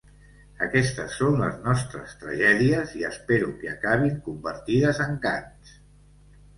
Aquestes són les nostres tragèdies i espero que acabin convertides en cants.